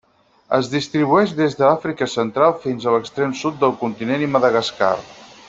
Es distribueix des d'Àfrica Central fins a l'extrem sud del continent i Madagascar.